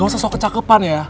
gak usah sok kecapepan ya